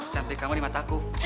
cantik kamu di mataku